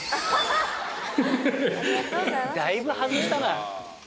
だいぶ外したな。